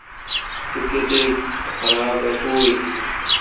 تو کتیک خراب ا پو این۔